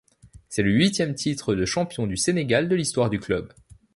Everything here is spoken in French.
C'est le huitième titre de champion du Sénégal de l'histoire du club.